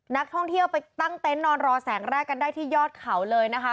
นักท่องเที่ยวไปตั้งเต็นต์นอนรอแสงแรกกันได้ที่ยอดเขาเลยนะคะ